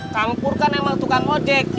campur kan emang tukang ojek